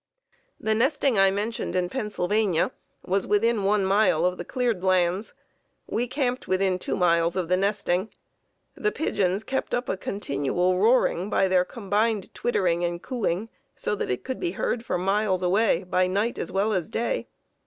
The nesting I mentioned in Pennsylvania was within one mile of the cleared lands. We camped within two miles of the nesting. The pigeons kept up a continual roaring by their combined twittering and cooing, so that it could be heard for miles away by night as well as day.